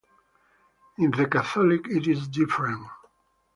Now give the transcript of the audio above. In the Catholic it is different.